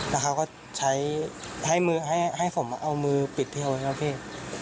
แล้วเขาก็ให้ผมเอามือปิดพี่โห้เว้นเถอะพี่